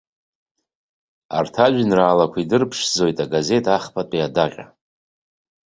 Арҭ ажәеинраалақәа идырԥшӡоит агазеҭ ахԥатәи адаҟьа.